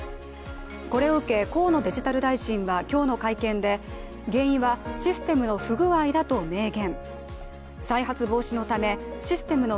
これを受け河野デジタル大臣は今日の会見で原因はシステムの不具合だと明言。